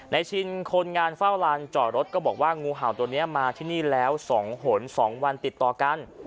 ชินคนงานเฝ้าลานจอดรถก็บอกว่างูเห่าตัวนี้มาที่นี่แล้ว๒หน๒วันติดต่อกัน